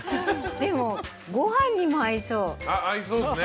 でも、ごはんにも合いそう。